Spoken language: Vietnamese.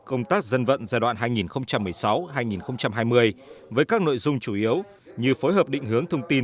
công tác dân vận giai đoạn hai nghìn một mươi sáu hai nghìn hai mươi với các nội dung chủ yếu như phối hợp định hướng thông tin